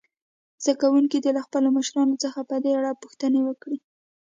زده کوونکي دې له خپلو مشرانو څخه په دې اړه پوښتنې وکړي.